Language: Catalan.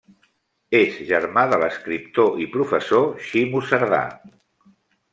És germà de l'escriptor i professor Ximo Cerdà.